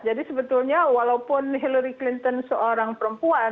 jadi sebetulnya walaupun hillary clinton seorang perempuan